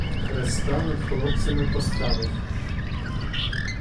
Хреста над хлопцями поставив.